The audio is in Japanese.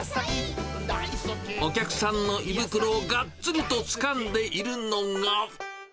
お客さんの胃袋をがっつりとつかんでいるのが。